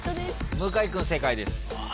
向井君正解です。